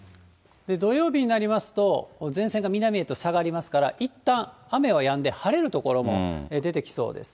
土曜日になりますと、前線が南へと下がりますから、いったん雨はやんで、晴れる所も出てきそうです。